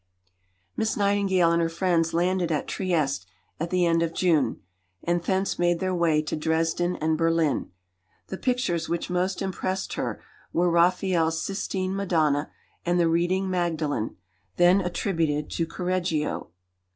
Miss Nightingale and her friends landed at Trieste at the end of June, and thence made their way to Dresden and Berlin. The pictures which most impressed her were Raphael's "Sistine Madonna" and the "Reading Magdalen," then attributed to Correggio.